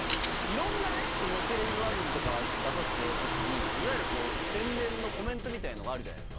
いろんなねテレビ番組とか出させていただいた時にいわゆる宣伝のコメントみたいのがあるじゃないですか。